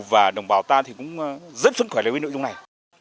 và đồng bào ta thì cũng rất xuất khỏe với nữ dung này